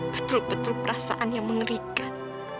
betul betul perasaan yang mengerikan